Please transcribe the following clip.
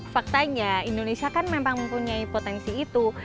faktanya indonesia kan memang mempunyai potensi itu